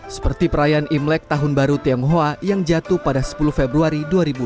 seperti perayaan imlek tahun baru tionghoa yang jatuh pada sepuluh februari dua ribu dua puluh